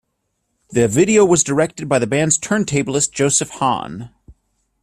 The video was directed by the band's turntablist, Joseph Hahn.